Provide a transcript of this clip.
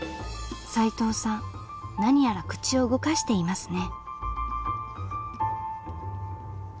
さいとうさん何やら口を動かしていますね。